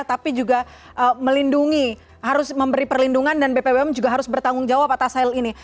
tapi juga melindungi harus memberi perlindungan dan bpom juga harus bertanggung jawab atas hal ini